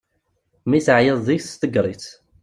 Mi teɛyiḍ deg-s ḍegger-itt.